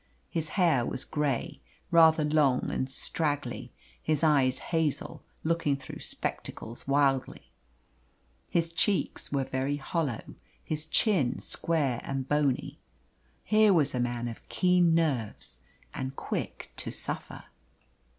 His hair was grey rather long and straggly his eyes hazel, looking through spectacles wildly. His cheeks were very hollow, his chin square and bony. Here was a man of keen nerves and quick to suffer.